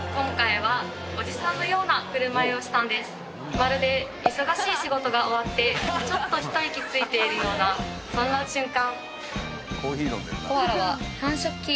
まるで忙しい仕事が終わってちょっと一息ついているようなそんな瞬間